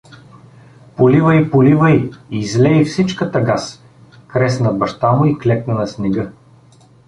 — Поливай, поливай… излей всичката газ — кресна баща му и клекна на снега.